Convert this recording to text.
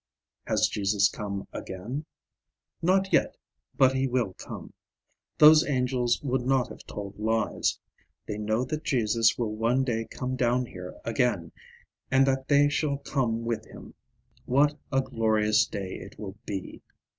Has Jesus come again? Not yet; but he will come. Those angels would not have told lies; they know that Jesus will one day come down here again, and that they shall come with him. What a glorious day it will be!